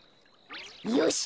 よし！